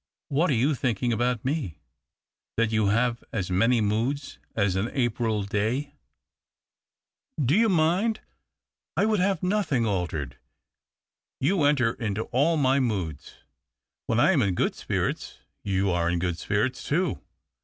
" What are you thinking about me ?"" That you have as many moods as an April day." THE OCTAVE OF CLAUDIUS. 229 " Do you mind ?"" I would have nothing altered." " You enter into all my moods. When I am in good spirits, you are in good spirits too.